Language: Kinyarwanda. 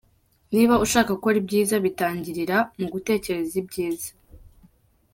Niba ushaka gukora ibyiza, bitangirira mu gutekereza ibyiza.